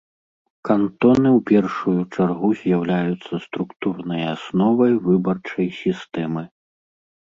Кантоны ў першую чаргу з'яўляюцца структурнай асновай выбарчай сістэмы.